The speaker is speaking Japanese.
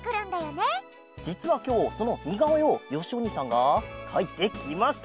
じつはきょうそのにがおえをよしおにいさんがかいてきました！